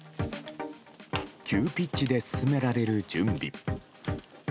急ピッチで進められる準備。